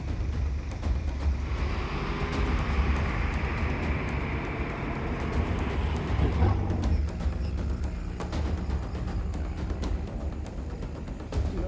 โดนไปเยอะแค่นั้นแหละ